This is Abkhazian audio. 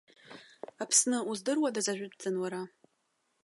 Аԥсны, уздыруадаз ажәытәӡан уара?